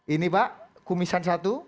ini pak kumisan satu